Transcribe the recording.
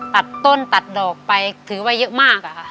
ตัดต้นตัดดอกไปถือว่าเยอะมากอะค่ะ